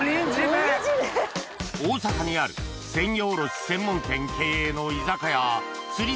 大阪にある鮮魚卸し専門店経営の居酒屋つり